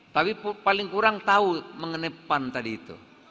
tapi paling kurang tahu mengenai pan tadi itu